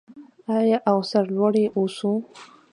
آیا او سرلوړي اوسو؟